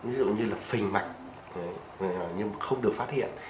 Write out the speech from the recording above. ví dụ như là phình mạch nhưng mà không được phát hiện